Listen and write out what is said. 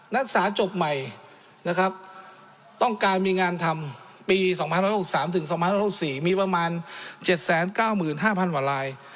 นักศึกษาจบใหม่นะครับต้องการมีงานทำปี๒๑๖๓๒๑๖๔มีประมาณ๗๙๕๐๐กว่าลาย